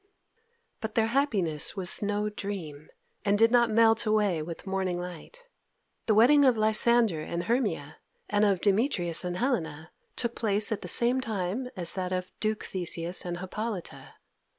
But their happiness was no dream, and did not melt away with morning light. The wedding of Lysander and Hermia and of Demetrius and Helena took place at the same time as that of Duke Theseus and Hippolyta.